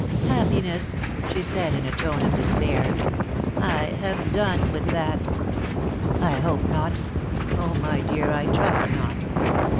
"Happiness!" she said in a tone of despair; "I have done with that." "I hope not. Oh, my dear, I trust not.